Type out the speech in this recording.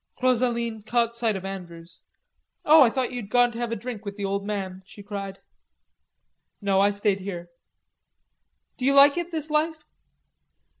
Rosaline caught sight of Andrews. "Oh, I thought you'd gone to have a drink with the old man," she cried. "No. I stayed here." "D'you like it, this life?"